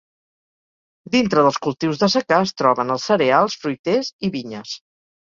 Dintre dels cultius de secà es troben els cereals, fruiters i vinyes.